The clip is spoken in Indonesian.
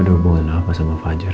ada hubungan apa sama fajar